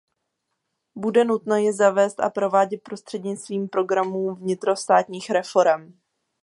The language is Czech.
Bude nutno ji zavést a provádět prostřednictvím programů vnitrostátních reforem.